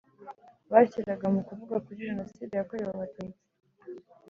bashyiraga mu kuvuga kuri jenoside yakorewe abatutsi